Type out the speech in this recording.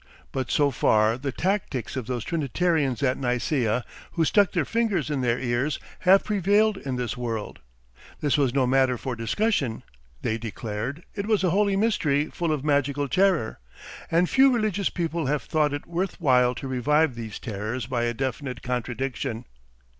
But so far the tactics of those Trinitarians at Nicaea, who stuck their fingers in their ears, have prevailed in this world; this was no matter for discussion, they declared, it was a Holy Mystery full of magical terror, and few religious people have thought it worth while to revive these terrors by a definite contradiction.